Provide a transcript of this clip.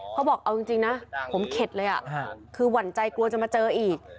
เขาบอกเอาจริงนะผมเข็ดเลยคือหวั่นใจกลัวจะมาเจออีก